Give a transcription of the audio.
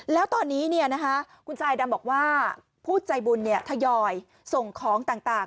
แล้วตอนนี้คุณทรายดำบอกว่าผู้ใจบุญทยอยส่งของต่าง